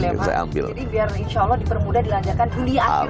jadi biar insya allah di permuda dilanjakan